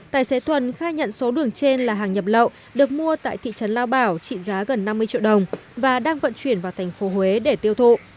tài xế tuần khai nhận số đường trên là hàng nhập lậu được mua tại thị trấn lao bảo trị giá gần năm mươi triệu đồng và đang vận chuyển vào thành phố huế để tiêu thụ